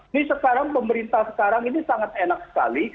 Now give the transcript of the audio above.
ini sekarang pemerintah sekarang ini sangat enak sekali